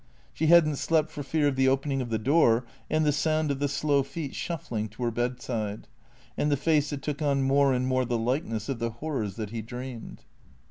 She had n't slept for fear of the opening of the door, and the sound of the slow feet shuffling to her bedside, and the face that took on more and more the likeness of the horrors that he dreamed.